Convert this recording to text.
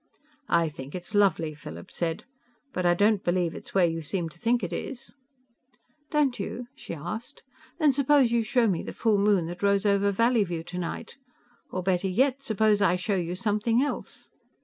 "I think it's lovely," Philip said, "but I don't believe it's where you seem to think it is." "Don't you?" she asked. "Then suppose you show me the full moon that rose over Valleyview tonight. Or better yet, suppose I show you something else."